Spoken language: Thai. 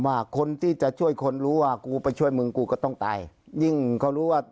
มันยากเลยครับ